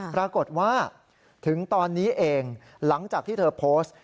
ปรากฏว่าถึงตอนนี้เองหลังจากที่เธอโพสต์